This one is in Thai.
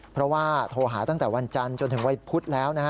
เพราะว่าโทรหาตั้งแต่วันจันทร์จนถึงวันพุธแล้วนะฮะ